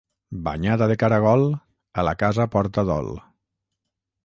Banyada de caragol, a la casa porta dol.